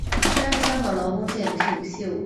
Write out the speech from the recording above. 担任香港劳工界领袖。